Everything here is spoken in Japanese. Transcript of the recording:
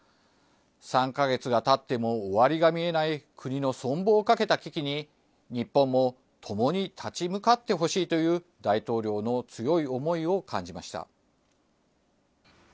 ３か月がたっても終わりが見えない、国の存亡をかけた危機に、日本も共に立ち向かってほしいという、大統領の強い思いを感じました。